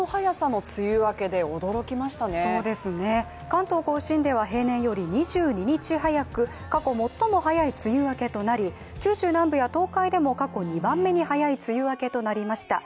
関東甲信では平年より２２日早く過去最も早い梅雨明けとなり九州南部や東海でも過去２番目に早い梅雨明けとなりました。